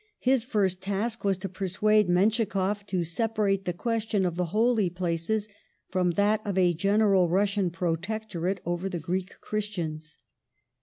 His first task was to persuade MenschikofF to chffe at separate the question of the Holy Places from that of a general nople Russian protectorate over the Greek Christians.